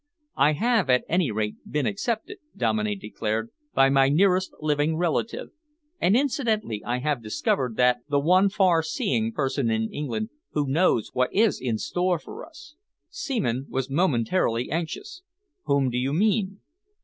"I have at any rate been accepted," Dominey declared, "by my nearest living relative, and incidentally I have discovered the one far seeing person in England who knows what is in store for us." Seaman was momentarily anxious. "Whom do you mean?"